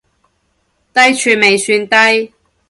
低處未算低